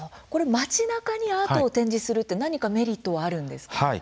街なかにアートを展示するって何かメリットはあるんですか？